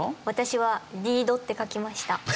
私はリードって書きました。